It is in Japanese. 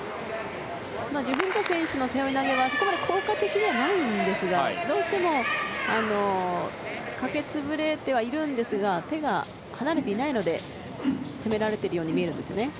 ジュフリダ選手の背負い投げはそこまで効果的ではないんですがどうしてもかけ潰れてはいるんですが手が離れていないので攻められているように見えます。